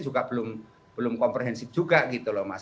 juga belum komprehensif juga gitu loh mas